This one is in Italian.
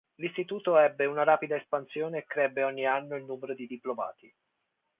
L'istituto ebbe una rapida espansione e crebbe ogni anno il numero di diplomati.